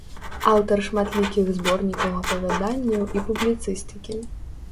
Аўтар шматлікіх зборнікаў апавяданняў і публіцыстыкі.